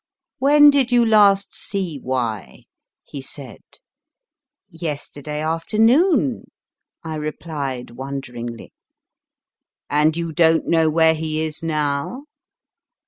When did you last see Y. ? he said. Yesterday afternoon, I replied wonderingly, And you don t know where he is now